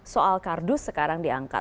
soal kardus sekarang diangkat